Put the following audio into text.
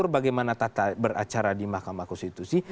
bagaimana tata beracara di mahkamah konstitusi